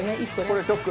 これ１袋。